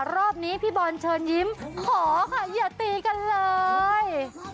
รอบนี้พี่บอลเชิญยิ้มขอค่ะอย่าตีกันเลย